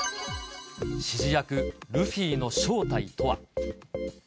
指示役、ルフィの正体とは？